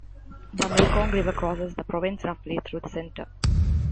The Mekong river crosses the province roughly through the center.